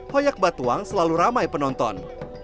hoyak batuang selalu ramai penonton